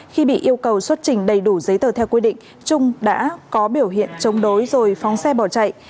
khi bị yêu cầu xuất trình đầy đủ giấy tờ theo quy định trung đã có biểu hiện chống đối rồi phóng xe bỏ chạy